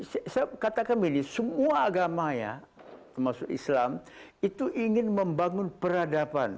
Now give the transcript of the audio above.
saya katakan begini semua agama ya termasuk islam itu ingin membangun peradaban